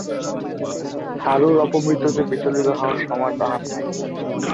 হারুর অপমৃত্যুতে বিচলিত হওয়ার সময় তাহার নাই।